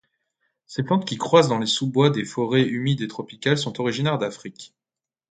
Ces plantes qui croissent dans les sous-bois des forêts humides tropicales sont originaires d'Afrique.